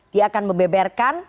dia akan membeberkan